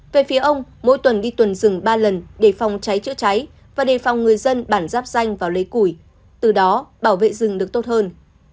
về phía ông mỗi tuần đi tuần rừng ba lần để phòng cháy chữa cháy và đề phòng người dân bản giáp danh vào lấy củi từ đó bảo vệ rừng được tốt hơn